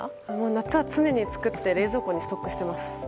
夏は常に作って冷蔵庫にストックしています。